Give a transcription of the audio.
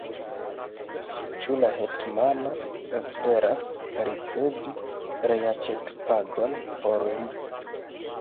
Ĉu la hetmano esperas ricevi reaĉetpagon por li?